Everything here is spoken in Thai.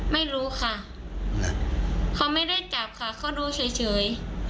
ไม่รู้ค่ะเขาไม่ได้จับค่ะเขาดูเฉย